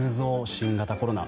新型コロナ。